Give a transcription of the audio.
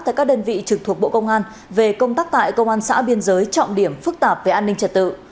tại các đơn vị trực thuộc bộ công an về công tác tại công an xã biên giới trọng điểm phức tạp về an ninh trật tự